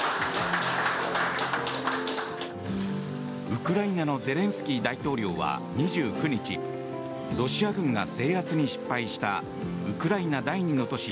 ウクライナのゼレンスキー大統領は２９日ロシア軍が制圧に失敗したウクライナ第２の都市